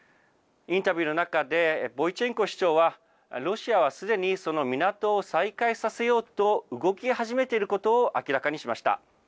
インタビューの中でボイチェンコ市長は、ロシアはすでにその港を再開させようと動き始めていることを明らかにしました。